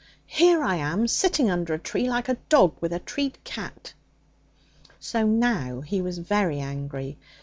Here I am, sitting under a tree like a dog with a treed cat!' So now he was very angry.